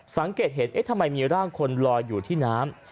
สังเกตเห็นเอ๊ะทำไมมีร่างคนลอยอยู่ที่น้ำ